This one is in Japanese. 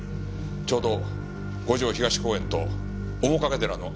ちょうど五条東公園と面影寺の間です。